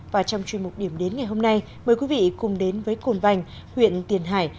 và trong chuyên mục điểm đến ngày hôm nay mời quý vị cùng đến với cồn vành huyện tiền hải